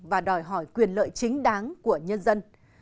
và đòi hỏi quyền lợi chính đáng của nhân dân